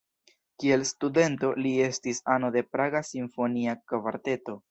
Kiel studento li estis ano de Praga simfonia kvarteto.